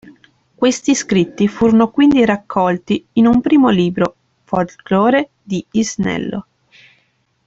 Questi scritti furono quindi raccolti in un primo libro, "Folklore di Isnello.